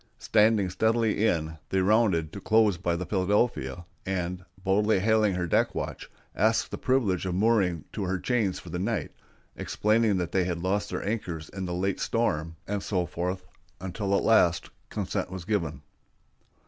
Standing steadily in, they rounded to close by the Philadelphia, and, boldly hailing her deck watch, asked the privilege of mooring to her chains for the night, explaining that they had lost their anchors in the late storm, and so forth, until at last consent was given.